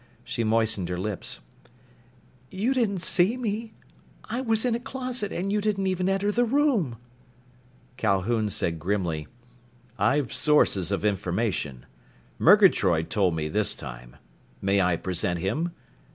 She moistened her lips. "You didn't see me! I was in a closet, and you didn't even enter the room!" Calhoun said grimly, "I've sources of information. Murgatroyd told me this time. May I present him?